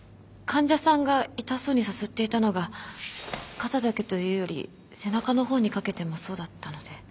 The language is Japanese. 患者さんが痛そうにさすっていたのが肩だけというより背中の方にかけてもそうだったので。